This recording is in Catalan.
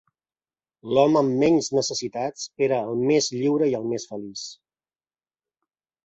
L'home amb menys necessitats era el més lliure i el més feliç.